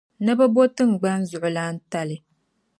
Ni bɛ bo tingbaŋ Zuɣulan' tali.